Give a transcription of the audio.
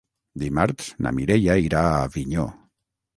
Dimarts na Mireia irà a Avinyó.